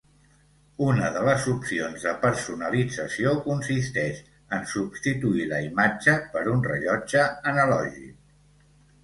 Una de les opcions de personalització consisteix en substituir la imatge per un rellotge analògic.